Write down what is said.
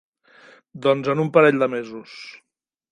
Doncs en un parell de mesos.